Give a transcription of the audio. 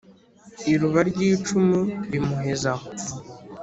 Iruba ry'icumu rimuheza aho;